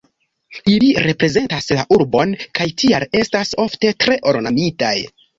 Ili reprezentas la urbon kaj tial estas ofte tre ornamitaj.